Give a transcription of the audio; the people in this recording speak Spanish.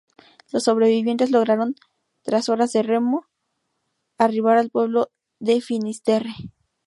Los sobrevivientes lograron, tras horas de remo, arribar al pueblo de Finisterre.